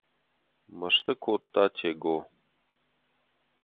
Мӕсты кодта Тего.